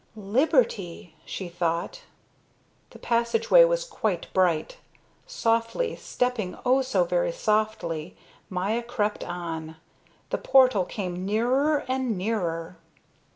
"Liberty!" she thought. The passageway was quite bright. Softly, stepping oh so very softly, Maya crept on. The portal came nearer and nearer.